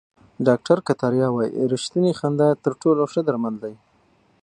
ډاکټر کتاریا وايي ریښتینې خندا تر ټولو ښه درمل دي.